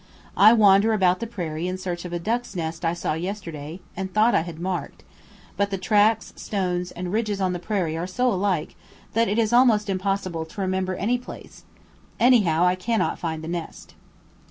I wander about the prairie in search of a duck's nest I saw yesterday and thought I had marked; but the tracks, stones, and ridges on the prairie are so alike, that it is almost impossible to remember any place; anyhow, I cannot find the nest.